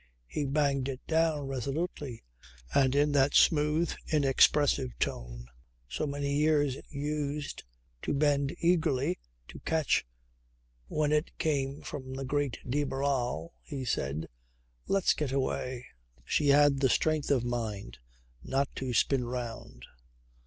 He banged it down resolutely and in that smooth inexpressive tone so many ears used to bend eagerly to catch when it came from the Great de Barral he said: "Let's get away." She had the strength of mind not to spin round.